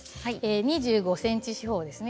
２５ｃｍ四方ですね